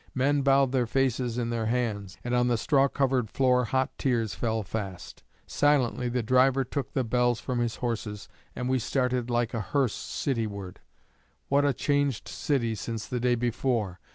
Men bowed their faces in their hands, and on the straw covered floor hot tears fell fast. Silently the driver took the bells from his horses, and we started like a hearse cityward. What a changed city since the day before!